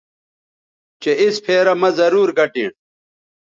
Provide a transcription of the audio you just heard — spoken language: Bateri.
چہء اِس پھیرہ مہ ضرور گٹینݜ